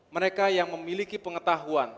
mereka yang memiliki pengetahuan